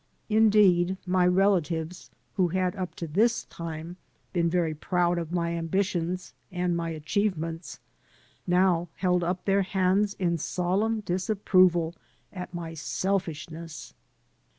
Indeed, my relatives, who had up to this time been very proud of my ambitions and my achievements, now held up their hands in solemn disapproval at my selfishness.